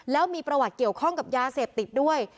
แล้วมีประวัติเกี่ยวข้องกับยาเสพติดด้วย